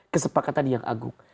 kesepakatan yang agung